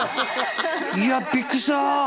いやびっくりした。